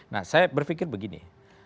nah saya berpikir begini